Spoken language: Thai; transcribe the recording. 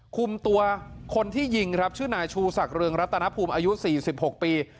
คุมตัวคนที่ยิงครับชื่อนายชูศักดิงรัตนภูมิอายุ๔๖ปี